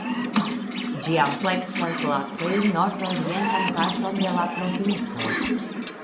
Ĝi ampleksas la plej nordorientan parton de la provinco.